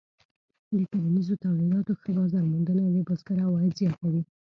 د کرنیزو تولیداتو ښه بازار موندنه د بزګر عواید زیاتوي.